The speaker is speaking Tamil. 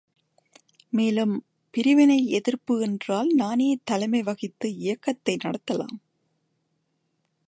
மேலும், பிரிவினை எதிர்ப்பு என்றால் நானே தலைமை வகித்து இயக்கத்தை நடத்தலாம்.